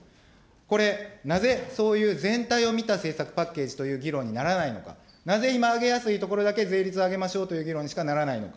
これ、なぜ、そういう全体を見た政策パッケージという議論にならないのか、なぜ今上げやすいところだけ税率を上げましょうという議論にしかならないのか。